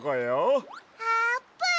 あーぷん！